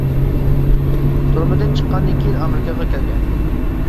تۈرمىدىن چىققاندىن كېيىن ئامېرىكىغا كەلگەن.